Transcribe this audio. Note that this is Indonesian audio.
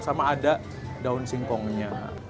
sama ada daun singkongnya